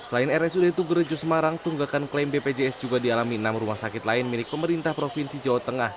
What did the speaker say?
selain rsud tugerjo semarang tunggakan klaim bpjs juga dialami enam rumah sakit lain milik pemerintah provinsi jawa tengah